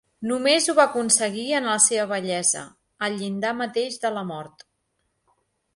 Només ho va aconseguir en la seva vellesa, al llindar mateix de la mort.